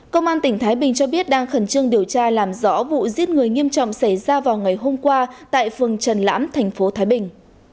công an tỉnh thái bình cho biết đang khẩn trương điều tra làm rõ vụ giết người nghiêm trọng xảy ra vào ngày hôm qua tại phường trần lãm thành phố thái bình